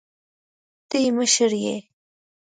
ته يې مشر يې.